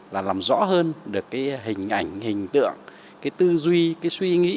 là làm rõ hơn được cái hình ảnh hình tượng cái tư duy cái suy nghĩ